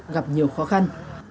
gặp nhiều khó khăn